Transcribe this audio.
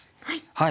はい。